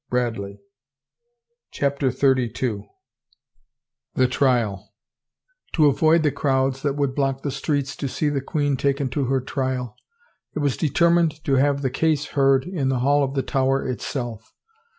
"" To morrow." CHAPTER XXXII THE TRIAL ^^^^^O avoid the crowds that would block the streets m C^ to see the queen taken to her trial, it was de ^^^^ termined to have the case heard in the hall of the Tower itself.